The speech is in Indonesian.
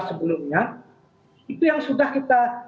sebelumnya itu yang sudah kita